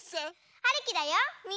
はるきだよみんなげんき？